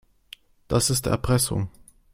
Das ist Erpressung.